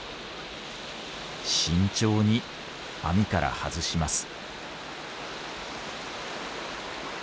慎重に網から外します。